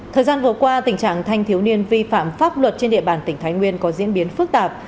thời gian vừa qua tình trạng thanh thiếu niên vi phạm pháp luật trên địa bàn tỉnh thái nguyên có diễn biến phức tạp